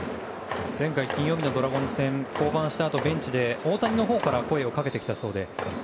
前回金曜日のドラゴンズ戦は降板したあとにベンチで大谷のほうから声をかけてきたそうで。